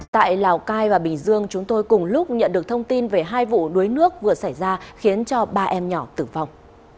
tại lào cai và bình dương chúng tôi cùng lúc nhận được thông tin về hai vụ đuối nước vừa xảy ra khiến cho ba em nhỏ tử vong